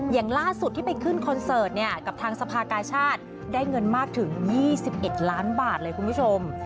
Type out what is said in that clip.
อย่างล่าสุดที่ไปขึ้นคอนเสิร์ตเนี่ยกับทางสภากาชาติได้เงินมากถึง๒๑ล้านบาทเลยคุณผู้ชม